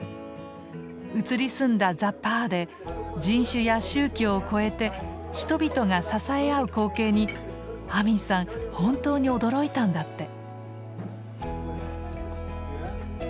移り住んだザ・パーで人種や宗教を超えて人々が支え合う光景にアミンさん本当に驚いたんだって。